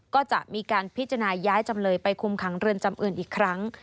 ก็จะมีการพิจารณาย้ายจำเลยไปคุมขังเรือนจำอื่นอีกครั้ง